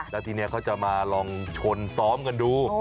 แล้วทีนี้เขาจะมาลองชนซ้อมกันดู